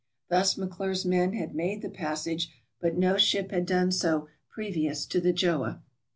Thus McClure's men had made the passage, but no ship had done so previous to the "Gjoa."